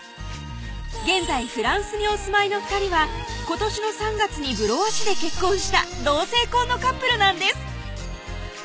現在フランスにお住まいの２人は今年の３月にブロワ市で結婚した同性婚のカップルなんです